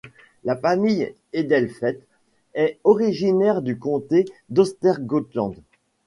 La famille Edelfelt est originaire du Comté d'Östergötland.